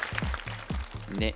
「ね」